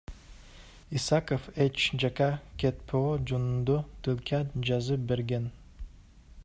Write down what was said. Исаков эч жакка кетпөө жөнүндө тилкат жазып берген.